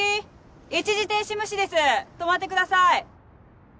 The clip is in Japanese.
一時停止無視です止まってください。